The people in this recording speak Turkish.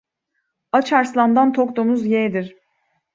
Aç arslandan tok domuz yeğdir.